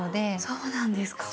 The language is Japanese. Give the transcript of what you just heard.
そうなんですか。